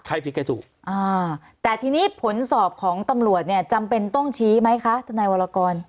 ผิดใครถูกอ่าแต่ทีนี้ผลสอบของตำรวจเนี่ยจำเป็นต้องชี้ไหมคะทนายวรกร